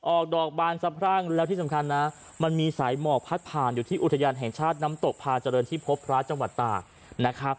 ออกดอกบานสะพรั่งแล้วที่สำคัญนะมันมีสายหมอกพัดผ่านอยู่ที่อุทยานแห่งชาติน้ำตกพาเจริญที่พบพระจังหวัดตากนะครับ